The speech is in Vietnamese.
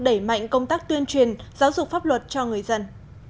đẩy mạnh công tác tuyên truyền giáo dục pháp luật cho người dân